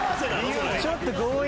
ちょっと強引。